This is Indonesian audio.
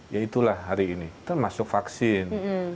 ya itulah hari ini kita masuk vaksin